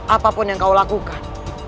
apapun yang kau lakukan